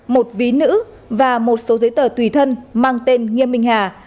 một ví nữ và một số giấy tờ tùy thân mang tên nghiêm minh hà